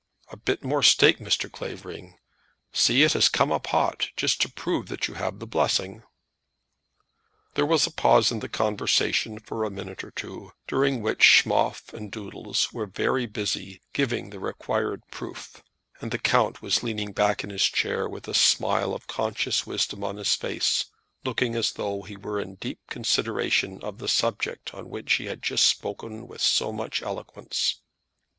A bit more steak, Mr. Clavering; see, it has come up hot, just to prove that you have the blessing." There was a pause in the conversation for a minute or two, during which Schmoff and Doodles were very busy giving the required proof; and the count was leaning back in his chair, with a smile of conscious wisdom on his face, looking as though he were in deep consideration of the subject on which he had just spoken with so much eloquence.